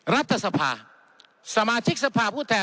รัฐสภาสมาชิกสภาพผู้แทน